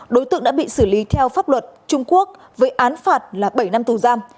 đối tượng đã bị xử lý theo pháp luật trung quốc với án phạt là bảy năm tù giam